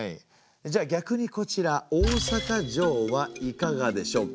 じゃあ逆にこちら大坂城はいかがでしょうか？